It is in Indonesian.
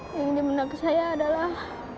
yang di benak saya adalah